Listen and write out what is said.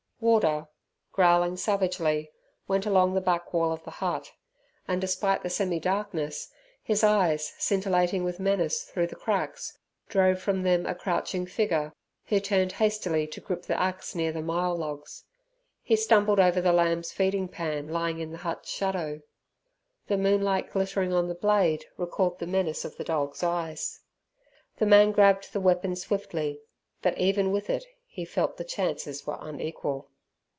Warder, growling savagely, went along the back wall of the hut, and, despite the semi darkness, his eyes scintillating with menace through the cracks drove from them a crouching figure who turned hastily to grip the axe near the myall logs. He stumbled over the lamb's feeding pan lying in the hut's shadow. The moonlight glittering on the blade recalled the menace of the dog's eyes. The man grabbed the weapon swiftly, but even with it he felt the chances were unequal.